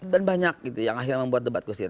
dan banyak gitu yang akhirnya membuat debat ke sini